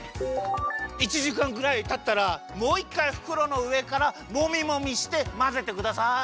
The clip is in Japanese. １じかんくらいたったらもういっかいふくろのうえからもみもみしてまぜてください。